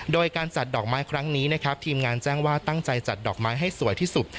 โดยการจัดดอกไม้ครั้งนี้นะครับทีมงานแจ้งว่าตั้งใจจัดดอกไม้ให้สวยที่สุด